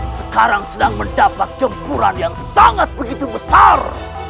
sekarang sedang mendapat gempuran yang sangat begitu besar